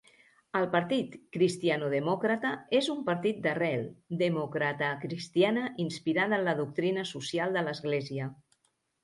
El Partit Cristianodemòcrata és un partit d'arrel democratacristiana inspirada en la doctrina social de l'Església.